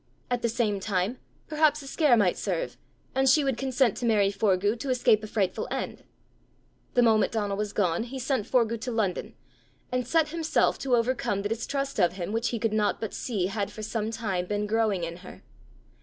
At the same time perhaps a scare might serve, and she would consent to marry Forgue to escape a frightful end! The moment Donal was gone, he sent Forgue to London, and set himself to overcome the distrust of him which he could not but see had for some time been growing in her.